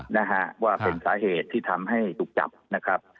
นะฮะว่าเป็นสาเหตุที่ทำให้ถูกจับนะครับ